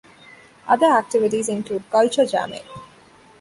Other activities include culture jamming.